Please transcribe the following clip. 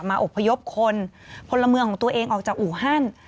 อบพยพคนพลเมืองของตัวเองออกจากอู่ฮั่น